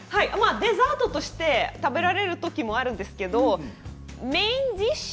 デザートとして食べられる時があるんですけどメインディッシュ。